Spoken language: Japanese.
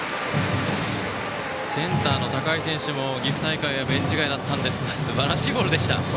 センターの高井選手も岐阜大会はベンチ外でしたがすばらしいボールでした。